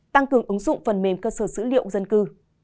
tăng cường ứng dụng phần mềm cơ sở dữ liệu dân cư